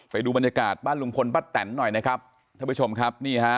ไปดูบรรยากาศบ้านลุงพลป้าแตนหน่อยนะครับท่านผู้ชมครับนี่ฮะ